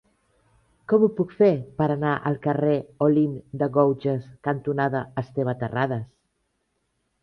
Com ho puc fer per anar al carrer Olympe de Gouges cantonada Esteve Terradas?